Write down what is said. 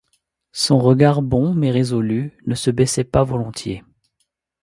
Son regard bon, mais résolu, ne se baissait pas volontiers.